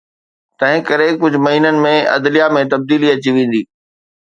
تنهن ڪري ڪجهه مهينن ۾ عدليه ۾ تبديلي اچي ويندي.